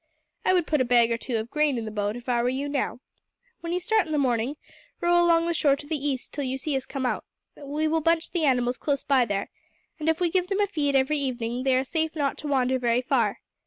I would put a bag or two of grain in the boat, if I were you, now. When you start in the morning, row along the shore to the east till you see us come out. We will bunch the animals close by there, and if we give them a feed every evening they are safe not to wander very far.